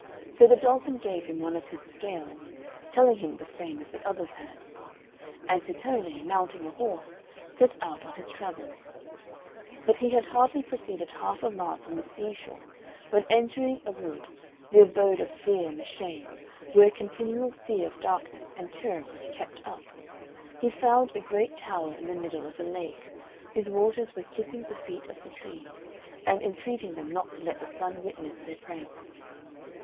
So the Dolphin gave him one of his scales, telling him the same as the others had; and Tittone, mounting a horse, set out on his travels. But he had hardly proceeded half a mile from the seashore, when entering a wood the abode of Fear and the Shades, where a continual fair of darkness and terror was kept up he found a great tower in the middle of a lake, whose waters were kissing the feet of the trees, and entreating them not to let the Sun witness their pranks.